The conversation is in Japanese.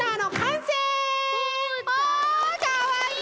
あかわいい！